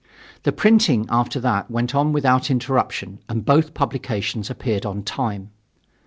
The printing, after that, went on without interruption and both publications appeared on time.